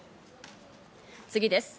次です。